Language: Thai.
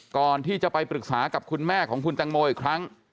ก่อนที่จะไปปรึกษากับคุณแม่ของคุณตังโมอีกครั้ง